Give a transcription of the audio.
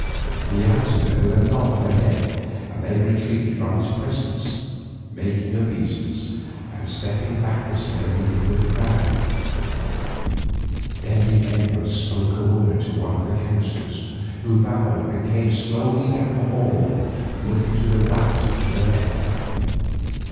He answered them with a nod of the head and they retreated from his presence, making obeisance and stepping backward till they mingled with the crowd. Then the emperor spoke a word to one of the counsellors, who bowed and came slowly down the hall looking to the right and to the left.